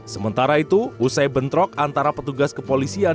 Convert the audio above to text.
sementara itu usai bentrok antara petugas kepolisian